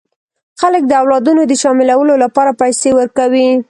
خلک د اولادونو د شاملولو لپاره پیسې ورکوي.